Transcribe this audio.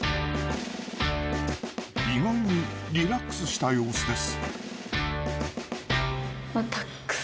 意外にリラックスした様子です。